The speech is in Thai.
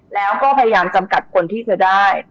แล้วก็พยายามจำกัดคนที่เธอได้